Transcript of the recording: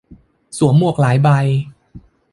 สวมหมวกหลายใบ